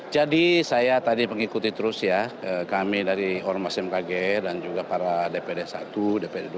jadi saya tadi mengikuti terus ya kami dari ormas mkg dan juga para dpd satu dpd dua